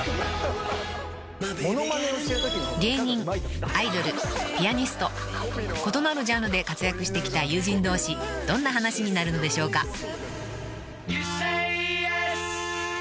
［芸人アイドルピアニスト異なるジャンルで活躍してきた友人同士どんな話になるのでしょうか？］